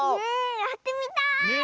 やってみたい！